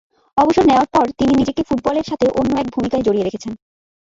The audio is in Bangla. অবসর নেওয়ার পর তিনি নিজেকে ফুটবলের সাথে অন্য এক ভূমিকায় জড়িয়ে রেখেছেন।